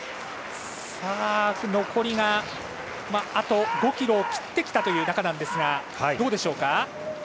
残りが、あと５ｋｍを切ってきた中なんですがどうでしょうか？